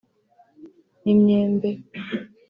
imyembe